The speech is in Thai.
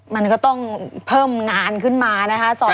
มันก็ต้องเพิ่มงานขึ้นมานะคะ